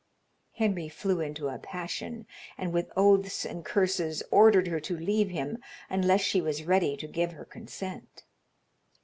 Henry flew into a passion, and with oaths and curses ordered her to leave him unless she was ready to give her consent.